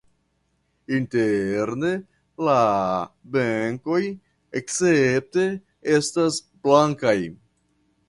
Interne la benkoj escepte estas blankaj.